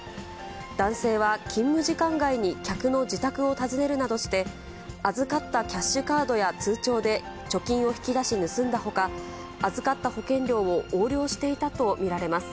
男性は勤務時間外に客の自宅を訪ねるなどして、預かったキャッシュカードや通帳で貯金を引き出し盗んだほか、預かった保険料を横領していたと見られます。